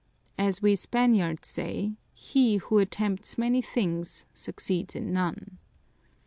As we Spaniards say, 'He who attempts many things succeeds in none.'